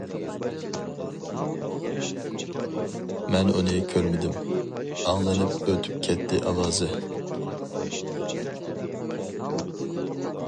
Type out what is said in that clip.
مەن ئۇنى كۆرمىدىم ئاڭلىنىپ ئۆتۈپ كەتتى ئاۋازى.